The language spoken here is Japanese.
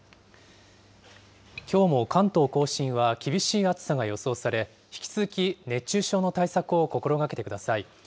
きょうも関東甲信は厳しい暑さが予想され、引き続き熱中症の対策を心がけてください。